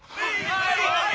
はいはい！